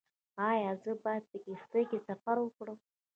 ایا زه باید په کښتۍ کې سفر وکړم؟